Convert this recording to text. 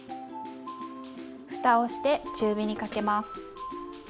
ふたをして中火にかけます。